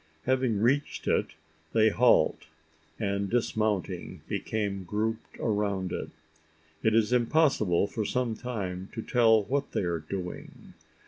Having reached it, they halt; and, dismounting, become grouped around it. It is impossible for some time to tell what they are doing.